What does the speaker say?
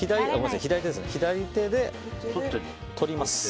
左手で取ります。